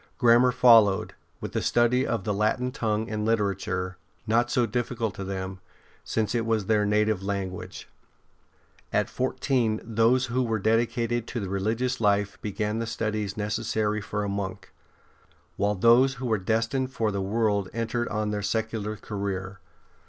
Grammar followed, with the study of the Latin tongue and literature, not so difficult to them, since it was their native language. At fourteen those who were dedicated to the religious life began the studies necessary for a monk; while those who were destined for the world entered on their secular career.